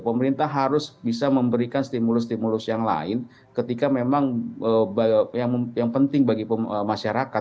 pemerintah harus bisa memberikan stimulus stimulus yang lain ketika memang yang penting bagi masyarakat